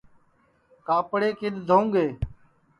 کاپڑے کِدؔ دھوں گے